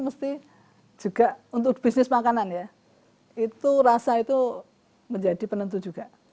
mesti juga untuk bisnis makanan ya itu rasa itu menjadi penentu juga